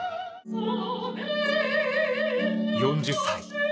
４０歳。